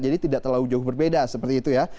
jadi tidak terlalu jauh berbeda seperti itu ya